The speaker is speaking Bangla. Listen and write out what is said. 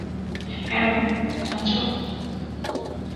অ্যারন, ক্ষমা চাও।